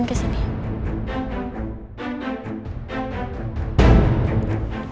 enggak dia sendirian kesini